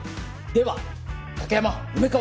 では竹山梅川。